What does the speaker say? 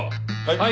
はい！